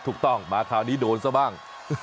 ถูกต้องมาคราวนี้โดนซะบ้าง